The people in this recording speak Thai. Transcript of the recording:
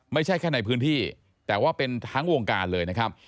ไม่ใช่แค่ในพื้นที่แต่ว่าเป็นทั้งวงการเลยนะครับ